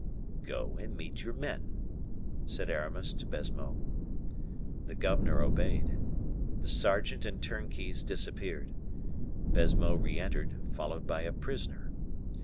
"Go and meet your men," said Aramis to Baisemeaux. The governor obeyed. The sergeant and turnkeys disappeared. Baisemeaux re entered, followed by a prisoner.